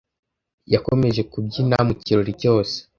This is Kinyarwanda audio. Yakomeje kubyina mu kirori cyose.